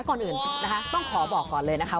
ก่อนอื่นนะคะต้องขอบอกก่อนเลยนะคะ